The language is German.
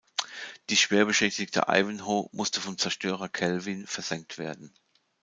Die schwer beschädigte "Ivanhoe" musste vom Zerstörer "Kelvin" versenkt werden.